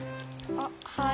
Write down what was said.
あっはい。